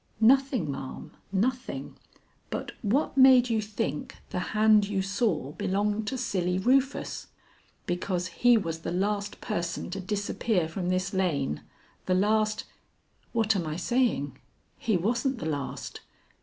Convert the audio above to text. "Nothing, ma'am, nothing. But what made you think the hand you saw belonged to Silly Rufus?" "Because he was the last person to disappear from this lane. The last what am I saying? He wasn't the last.